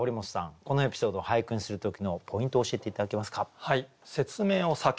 このエピソードを俳句にする時のポイントを教えて頂けますか。